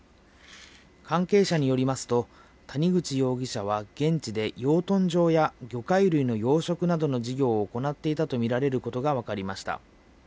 関係者によりますと、谷口容疑者は現地で養豚場や魚介類の養殖などの事業を行っていたと見られることが分かりました。